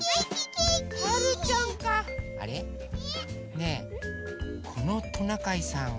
ねえこのトナカイさん